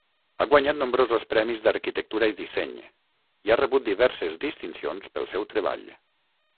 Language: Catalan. Ha guanyat nombrosos premis d'arquitectura i disseny, i ha rebut diverses distincions pel seu treball.